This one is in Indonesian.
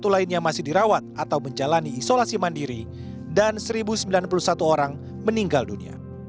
satu lainnya masih dirawat atau menjalani isolasi mandiri dan satu sembilan puluh satu orang meninggal dunia